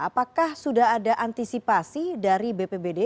apakah sudah ada antisipasi dari bpbd